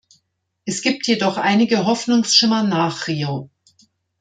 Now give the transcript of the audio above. Es gibt jedoch einige Hoffnungsschimmer nach Rio.